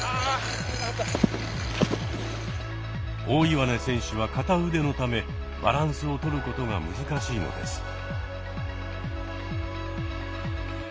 大岩根選手は片腕のためバランスをとることが難しいのです。